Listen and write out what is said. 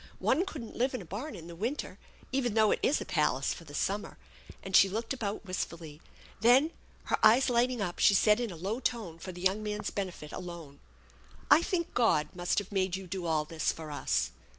One couldn't live in a barn in the winter, even though it is a palace for the summer"; and she looked about wistfully. Then, her eyes lighting up, she said in a low tone, for the young man's benefit alone: " I think God must have made you do all this for us